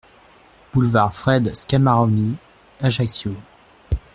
Boulevard Fred Scamaroni, Ajaccio